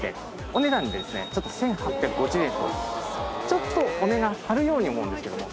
お値段ですね１，８５０円とちょっとお値段張るように思うんですけども。